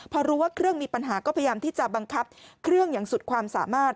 พอรู้ว่าเครื่องมีปัญหาก็พยายามที่จะบังคับเครื่องอย่างสุดความสามารถ